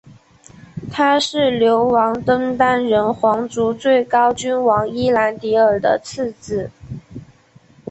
他是流亡登丹人皇族最高君王伊兰迪尔的次子。